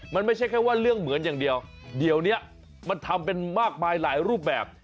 มันไม่ใช่แค่ว่าเรื่องเหมือนอย่างเดียวเดี๋ยวนี้มันทำเป็นมากมายหลายรูปแบบ